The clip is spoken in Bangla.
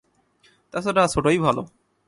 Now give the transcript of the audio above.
তা ছাড়া, ছোটই ভালো।